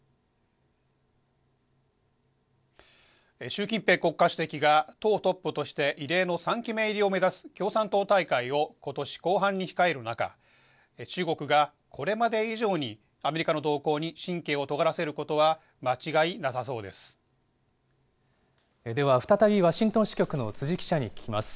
習近平国家主席が、党トップとして異例の３期目入りを目指す共産党大会を、ことし後半に控える中、中国がこれまで以上にアメリカの動向に神経をとがらせることは間では、再びワシントン支局の辻記者に聞きます。